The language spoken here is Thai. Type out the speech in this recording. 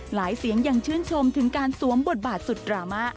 เสียงยังชื่นชมถึงการสวมบทบาทสุดดราม่า